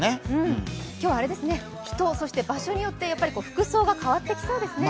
今日は人、場所によって服装が変わってきそうですね。